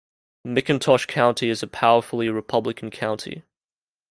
McIntosh County is a powerfully Republican county.